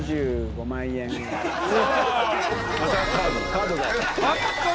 カードで。